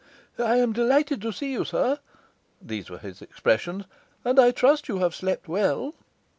'I am delighted to see you, sir' these were his expressions 'and I trust you have slept well.